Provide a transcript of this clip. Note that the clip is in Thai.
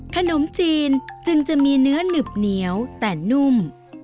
ขนมจีนจึงจะมีเนื้อหนึบเหนียวแต่นุ่ม